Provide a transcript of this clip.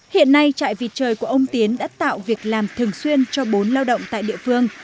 hiện nay trại vịt trời của ông tiến đã tạo việc làm thường xuyên cho bốn lao động tại địa phương